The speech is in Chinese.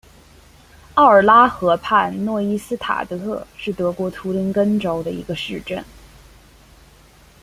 奥尔拉河畔诺伊斯塔特是德国图林根州的一个市镇。